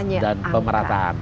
kualitas dan pemerataan